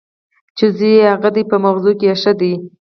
چې زوی یې هغه دی په مغزو کې ښه دی.